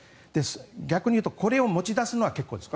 逆に言うとこれを持ち出すのは結構です。